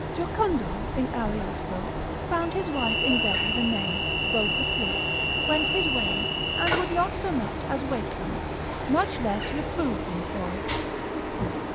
Jocundo, in Ariosto, found his wife in bed with a knave, both asleep, went his ways, and would not so much as wake them, much less reprove them for it.